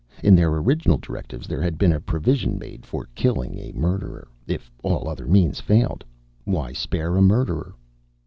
In their original directives there had been a provision made for killing a murderer, if all other means failed. Why spare a murderer?